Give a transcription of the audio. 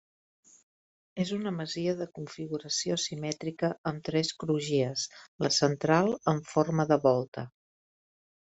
És una masia de configuració simètrica amb tres crugies, la central amb forma de volta.